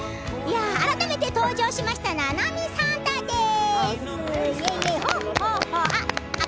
改めて登場しましたななみサンタです。